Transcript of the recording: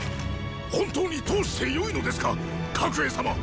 本当に通してよいのですか⁉角英様！